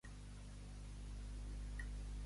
Blau marí, escarlata i blanc.